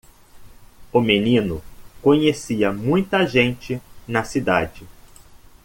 O menino conhecia muita gente na cidade.